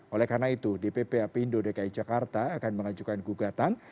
oleh karena itu dpp apindo dki jakarta akan mengajukan gugatan